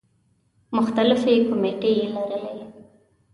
مختلفې کومیټې یې لرلې.